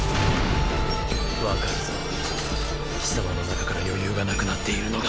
分かるぞ貴様の中から余裕がなくなっているのが。